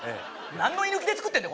何の居抜きでつくってんだ